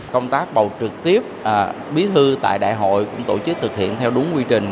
công tác bầu trực tiếp bí thư tại đại hội cũng tổ chức thực hiện theo đúng quy trình